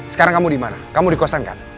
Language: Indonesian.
sekarang kamu dimana kamu di kosan kan